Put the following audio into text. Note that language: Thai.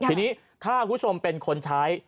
ทีนี้ถ้าคุณผู้ชมเป็นคนใช้